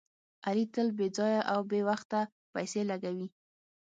علي تل بې ځایه او بې وخته پیسې لګوي.